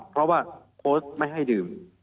เพราะว่าโค้ชไม่ให้ดื่ม